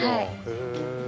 へえ。